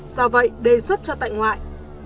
do vậy đề xuất cho tại ngoại